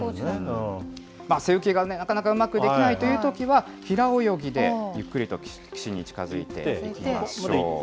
背浮きがなかなかうまくできないというときは、平泳ぎでゆっくりと岸に近づいてみましょう。